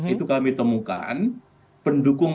itu kami temukan pendukung